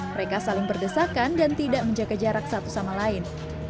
mereka saling berdesakan dan tidak menjaga jarak satu sama lain